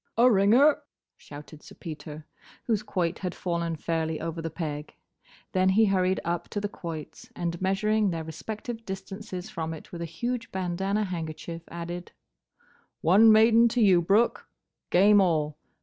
"A ringer!" shouted Sir Peter, whose quoit had fallen fairly over the peg. Then he hurried up to the quoits, and, measuring their respective distances from it with a huge bandana handkerchief, added, "One maiden to you, Brooke! Game all!